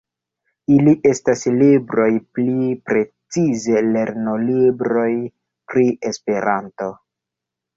Ili estas libroj, pli precize lernolibroj, pri Esperanto.